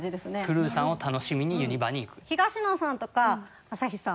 クルーさんを楽しみにユニバに行く。